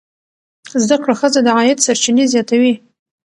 زده کړه ښځه د عاید سرچینې زیاتوي.